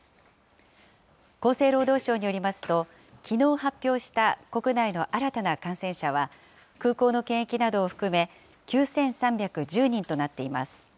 厚生労働省によりますと、きのう発表した国内の新たな感染者は、空港の検疫などを含め、９３１０人となっています。